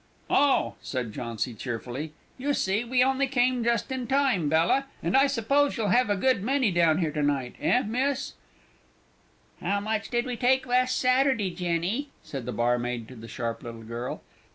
"Oh!" said Jauncy, cheerfully; "you see we only came just in time, Bella; and I suppose you'll have a good many down here to night eh, miss?" "How much did we take last Saturday, Jenny?" said the barmaid to the sharp little girl.